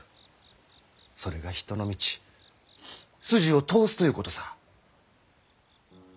それが人の道筋を通すということさぁ。